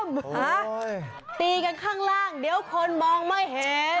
ตีกันข้างล่างเดี๋ยวคนมองไม่เห็น